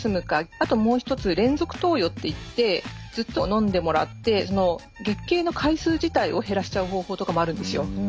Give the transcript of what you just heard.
あともう一つ連続投与っていってずっとのんでもらって月経の回数自体を減らしちゃう方法とかもあるんですよ。